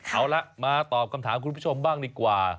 เอาละมาตอบคำถามคุณผู้ชมบ้างดีกว่า